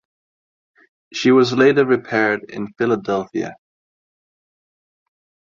She was later repaired in Philadelphia.